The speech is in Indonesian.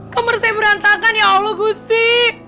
kamar saya berantakan ya allah gusti